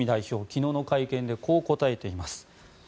昨日の会見でこう答えています。